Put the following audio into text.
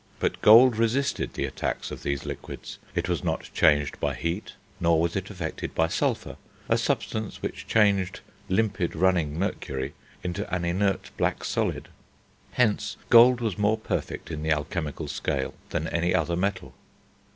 But gold resisted the attacks of these liquids; it was not changed by heat, nor was it affected by sulphur, a substance which changed limpid, running mercury into an inert, black solid. Hence, gold was more perfect in the alchemical scale than any other metal.